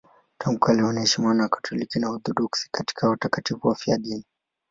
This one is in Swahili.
Tangu kale wanaheshimiwa na Wakatoliki na Waorthodoksi kati ya watakatifu wafiadini.